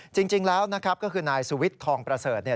จริงแล้วนะครับก็คือนายสุวิทย์ทองประเสริฐเนี่ย